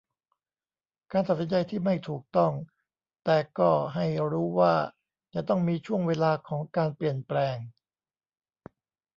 การตัดสินใจที่ไม่ถูกต้อง แต่ก็ให้รู้ว่าจะต้องมีช่วงเวลาของการเปลี่ยนแปลง